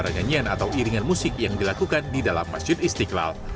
tidak ada suara nyanyian atau iringan musik yang dilakukan di dalam masjid istiqlal